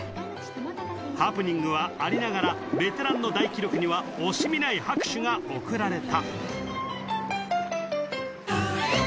ハプニングはありながらベテランの大記録には惜しみない拍手が送られた